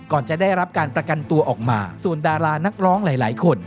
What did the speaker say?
จะได้รับการประกันตัวออกมาส่วนดารานักร้องหลายคน